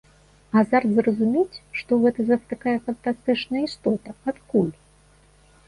Азарт зразумець, што гэта за такая фанатычная істота, адкуль?